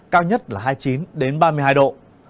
cao nhất là hai mươi chín ba mươi hai độ